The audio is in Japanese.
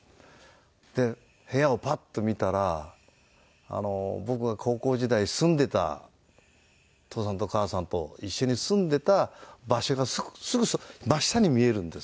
で部屋をパッと見たら僕が高校時代住んでた父さんと母さんと一緒に住んでた場所がすぐ真下に見えるんです。